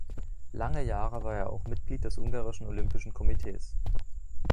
Lange Jahre war er auch Mitglied des Ungarischen Olympischen Komitees.